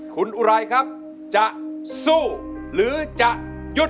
คุณอุไรครับจะสู้หรือจะหยุด